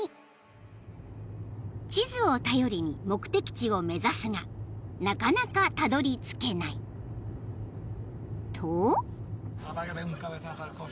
［地図を頼りに目的地を目指すがなかなかたどりつけない］［と］あっち？